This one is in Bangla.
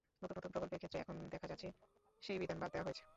নতুন নতুন প্রকল্পের ক্ষেত্রে এখন দেখা যাচ্ছে সেই বিধান বাদ দেওয়া হয়েছে।